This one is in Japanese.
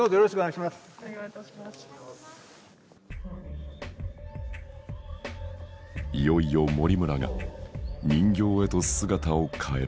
いよいよ森村が人形へと姿を変える。